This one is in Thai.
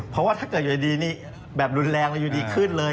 เพราะว่าถ้าเกิดอยู่ดีนี่แบบรุนแรงแล้วอยู่ดีขึ้นเลย